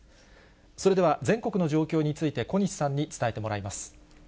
それでは全国の状況について、小西さんに伝えてもらいます。